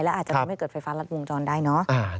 และอาจจะทำให้เกิดไฟฟ้ารัดวงจรได้เนอะ